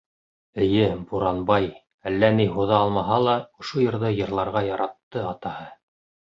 Эйе, «Буранбай», әллә ни һуҙа алмаһа ла, ошо йырҙы йырларға яратты атаһы.